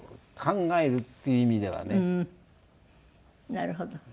なるほど。